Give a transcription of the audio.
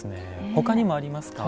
ほかにもありますか？